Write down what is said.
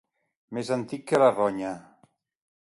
Més antic que la ronya.